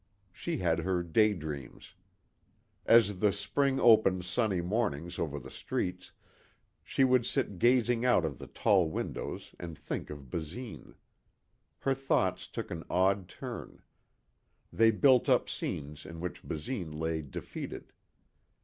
She had her day dreams. As the spring opened sunny mornings over the streets, she would sit gazing out of the tall windows and think of Basine. Her thoughts took an odd turn. They built up scenes in which Basine lay defeated.